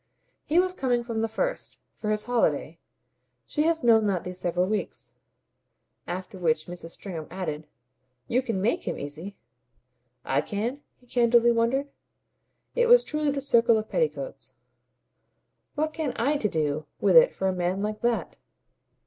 "He was coming, from the first, for his holiday. She has known that these several weeks." After which Mrs. Stringham added: "You can MAKE him easy." "I can?" he candidly wondered. It was truly the circle of petticoats. "What have I to do with it for a man like that?"